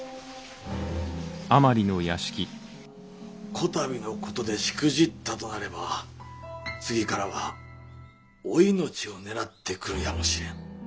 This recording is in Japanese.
こたびのことでしくじったとなれば次からはお命を狙ってくるやもしれん。